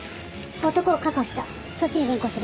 男を確保したそっちに連行する。